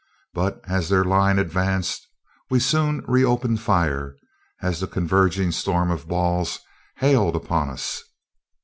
But, as their line advanced, we soon re opened fire, as the converging storm of balls hailed upon us.